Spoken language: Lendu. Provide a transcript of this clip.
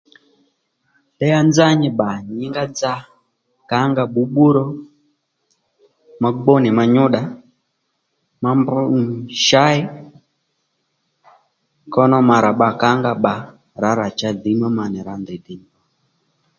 Ya nzá nyi bba nyǐngá dzakǎnga bbǔbbú ro ma gbú nì ma nyúdda ma mbr nì chǎy kóno ma rà bba kà ó nga bba rǎrà cha dhǐy má manì rǎ ndèy dè nì nà